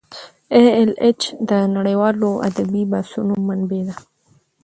ای ایل ایچ د نړیوالو ادبي بحثونو منبع ده.